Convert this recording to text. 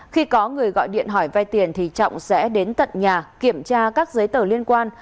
khi có người gọi điện hỏi vay tiền thì trọng sẽ đến tận nhà kiểm tra các giấy tờ liên quan